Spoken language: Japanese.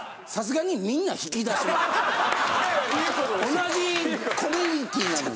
同じコミュニティなのに。